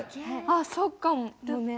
あっそっかもね。